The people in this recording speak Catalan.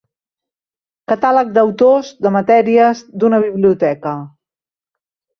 Catàleg d'autors, de matèries, d'una biblioteca.